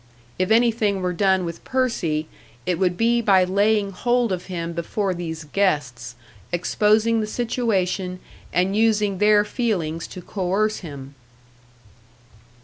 If anything were done with Percy, it would be by laying hold of him before these guests, exposing the situation, and using their feelings to coerce him!